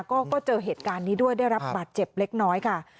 ก็เจอเหตุการณ์นี้ด้วยได้รับบาดเจ็บเล็กน้อยค่ะ